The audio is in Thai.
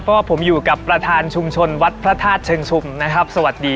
เพราะว่าผมอยู่กับประธานชุมชนวัดพระธาตุเชิงชุมนะครับสวัสดี